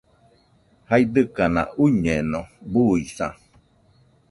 jaidɨkaka uiñeno, buisa